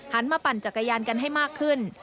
มาปั่นจักรยานกันให้มากขึ้น